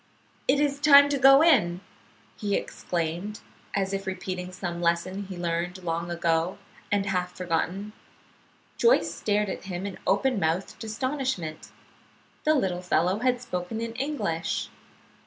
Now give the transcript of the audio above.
"It is time to go in!" he exclaimed, as if repeating some lesson learned long ago, and half forgotten. Joyce stared at him in open mouthed astonishment. The little fellow had spoken in English.